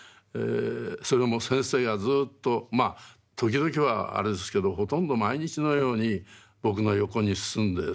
それも先生がずっとまあ時々はあれですけどほとんど毎日のように僕の横に進んでですね